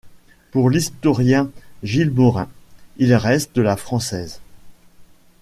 Pour l'historien Gilles Morin, il reste la française.